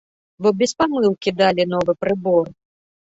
Бо без памылкі далі новы прыбор!